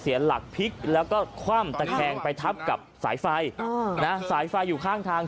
เสียหลักพลิกแล้วก็คว่ำตะแคงไปทับกับสายไฟสายไฟอยู่ข้างทาง